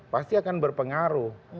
pasti akan berpengaruh